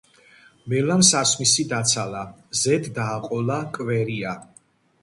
მელამ სასმისი დაცალა, ზედ დააყოლა კვერია,